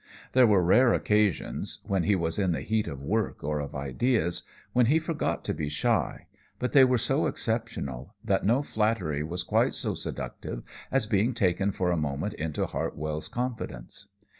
There were rare occasions when he was in the heat of work or of ideas when he forgot to be shy, but they were so exceptional that no flattery was quite so seductive as being taken for a moment into Hartwell's confidence.